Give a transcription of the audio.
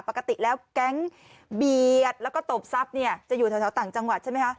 ปกติแล้วแก๊งเบียดแล้วก็ตบทรัพย์เนี่ยจะอยู่แถวต่างจังหวัดใช่ไหมคะ